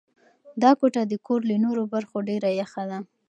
دا کوټه د کور له نورو برخو ډېره یخه ده.